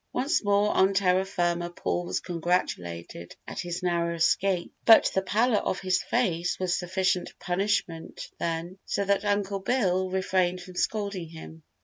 Once more on terra firma Paul was congratulated at his narrow escape but the pallor of his face was sufficient punishment then, so that Uncle Bill refrained from scolding him.